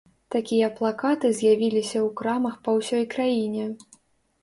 Такія плакаты з'явіліся ў крамах па ўсёй краіне.